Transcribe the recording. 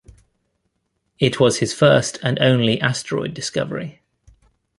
It was his first and only asteroid discovery.